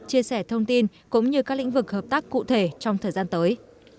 chia sẻ thông tin cũng như các lĩnh vực hợp tác cụ thể trong thời gian tới